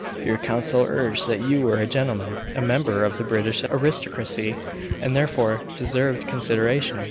Your counsel urged that you were a gentleman, a member of the British aristocracy, and therefore deserved consideration.